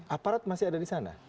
aparat masih ada disana